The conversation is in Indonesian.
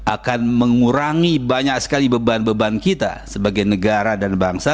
akan mengurangi banyak sekali beban beban kita sebagai negara dan bangsa